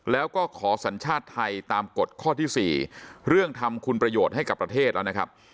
แล้วก็ขอสัญชาติไทยตามกฎข้อที่๔เรื่องทำคุณประโยชน์ให้กับประเทศแล้วนะครับ